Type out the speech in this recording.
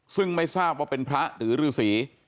ซึ่งไม่ทราบว่าเป็นพระหรือฤษี